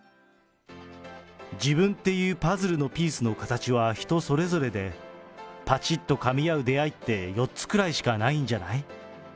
自分っていうパズルのピースの形は人それぞれで、ぱちっとかみ合う出会いって４つくらいしかないんじゃない？